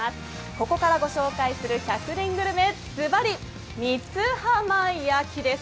ここからご紹介する１００年グルメズバリ、三津浜焼きです。